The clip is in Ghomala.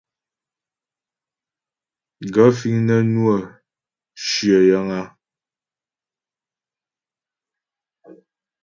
Gaə̂ fíŋ nə́ nwə́ shyə yəŋ a ?